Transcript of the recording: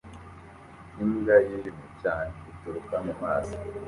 Imbwa yijimye cyane ituruka mumazi